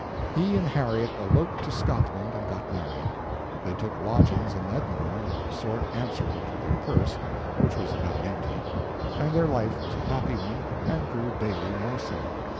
He and Harriet eloped to Scotland and got married. They took lodgings in Edinburgh of a sort answerable to their purse, which was about empty, and there their life was a happy, one and grew daily more so.